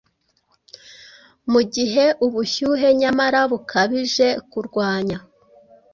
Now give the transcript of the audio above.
Mugihe ubushyuhe nyamara bukabijekurwanya